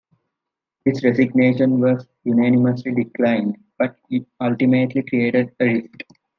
This resignation was unanimously declined, but ultimately created a rift.